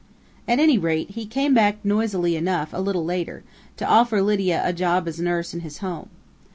At any rate, he came back noisily enough a little later, to offer Lydia a job as nurse in his home.